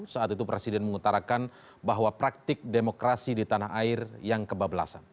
saat itu presiden mengutarakan bahwa praktik demokrasi di tanah air yang kebablasan